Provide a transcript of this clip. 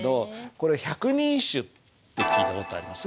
これ「百人一首」って聞いた事あります？